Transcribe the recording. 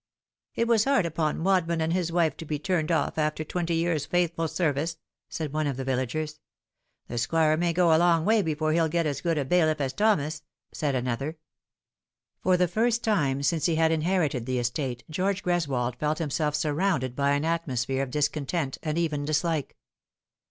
" It was hard upon Wadman and his wife to be turned off after twenty years' faithful service," said one of the villagers. " The Squire may go a long way before he'll get as good a bailiff as Thomas," said another. The Face in the Church. 73 For the first time since he had inherited the estate George Greswold felt himself surrounded by an atmosphere of discon tent, and even dislike.